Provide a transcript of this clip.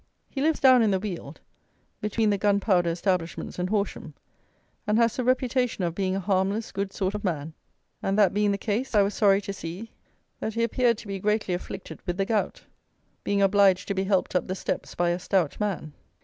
He lives down in the Weald, between the gunpowder establishments and Horsham, and has the reputation of being a harmless, good sort of man, and that being the case I was sorry to see that he appeared to be greatly afflicted with the gout, being obliged to be helped up the steps by a stout man.